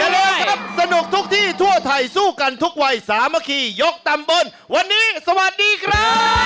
เลยครับสนุกทุกที่ทั่วไทยสู้กันทุกวัยสามัคคียกตำบลวันนี้สวัสดีครับ